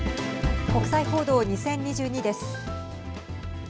国際報道２０２２です。